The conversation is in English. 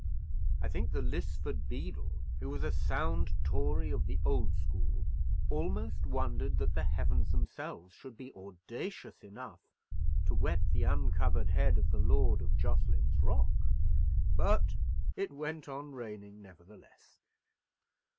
I think the Lisford beadle, who was a sound Tory of the old school, almost wondered that the heavens themselves should be audacious enough to wet the uncovered head of the lord of Jocelyn's Rock. But it went on raining, nevertheless.